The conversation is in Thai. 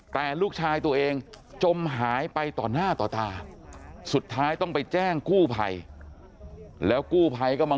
แต่ลูกชายตัวเองจมหายไปต่อหน้าต่อตาสุดท้ายต้องไปแจ้งกู้ภัยแล้วกู้ภัยก็มา